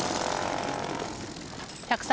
１０３